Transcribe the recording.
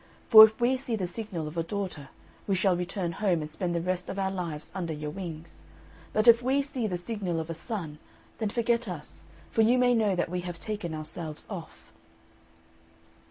For if we see the signal of a daughter, we shall return home and spend the rest of our lives under your wings; but if we see the signal of a son, then forget us, for you may know that we have taken ourselves off."